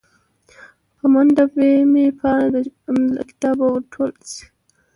په منډه به مې پاڼه د ژوند له کتابه ور ټوله شي